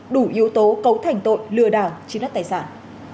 đủ yếu tố cấu thành tội lừa đảo chiếm đất tài sản